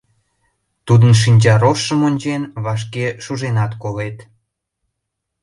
Тудын шинча рожшым ончен, вашке шуженат колет...